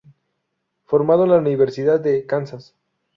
Formado en la Universidad de Kansas.